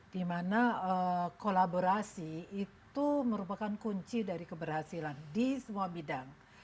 dimana kolaborasi itu merupakan kunci dari keberhasilan di semua bidang